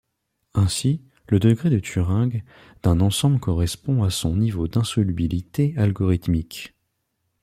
Ainsi, le degré de Turing d'un ensemble correspond à son niveau d'insolubilité algorithmique.